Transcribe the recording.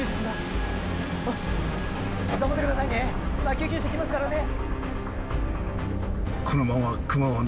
今救急車来ますからね。